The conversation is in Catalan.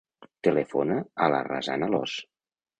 Telefona a la Razan Alos.